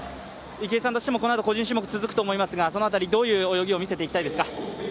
池江さんとしても、このあとも個人種目が続くと思いますがその辺り、どういう泳ぎを見せていきたいですか？